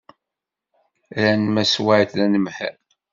Rran Mass White d anemhal.